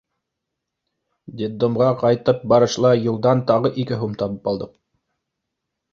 Детдомға ҡайтып барышлай юлдан тағы ике һум табып алдыҡ.